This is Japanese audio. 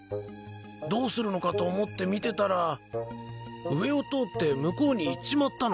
どうするのかと思って見てたら上を通って向こうに行っちまったのさ。